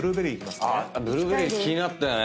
ブルーベリー気になったよね。